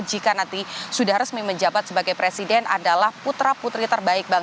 jika nanti sudah resmi menjabat sebagai presiden adalah putra putri terbaik bangsa